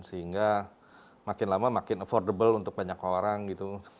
sehingga makin lama makin affordable untuk banyak orang gitu